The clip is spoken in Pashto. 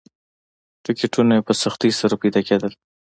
ټکټونه یې په سختۍ سره پیدا کېدل.